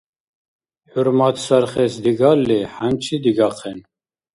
ХӀурмат сархес дигалли, хӀянчи дигахъен.